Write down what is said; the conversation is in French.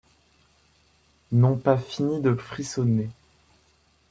N'ont pas fini de frissonner ;